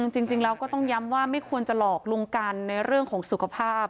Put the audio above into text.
จริงแล้วก็ต้องย้ำว่าไม่ควรจะหลอกลวงกันในเรื่องของสุขภาพ